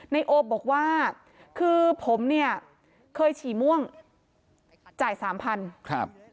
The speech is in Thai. นายโอบอกว่าคือผมเนี่ยเคยฉี่ม่วงจ่ายสามพันครับ